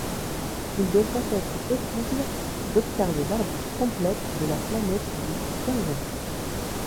Il devrait être possible d'observer l'orbite complète de la planète d'ici quinze ans.